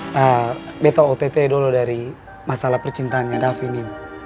nah beto ott dulu dari masalah percintaannya davi ini